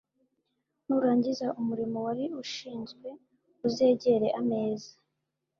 Nurangiza umurimo wari ushinzwe, uzegere ameza